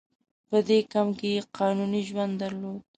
په دې کمپ کې یې قانوني ژوند درلود.